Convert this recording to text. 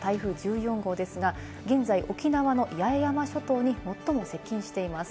大型で非常に強い勢力の台風１４号ですが、現在、沖縄の八重山諸島に最も接近しています。